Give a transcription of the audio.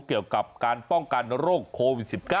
เกี่ยวกับการป้องกันโรคโควิด๑๙